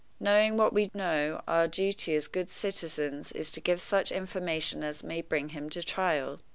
Knowing what we know, our duty as good citizens is to give such information as may bring him to trial.